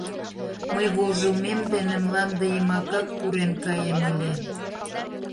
Мый вожылмем дене мланде йымакак пурен каем ыле!